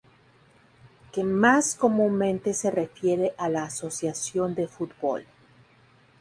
Que más comúnmente se refiere a la asociación de fútbol.